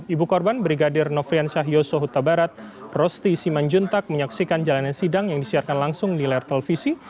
ibu korban brigadir nofrian syah yosua huta barat rosti simanjuntak menyaksikan jalannya sidang yang disiarkan langsung di layar televisi